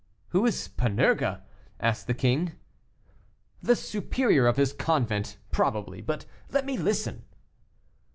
"Who is Panurge?" asked the king. "The superior of his convent, probably but let me listen."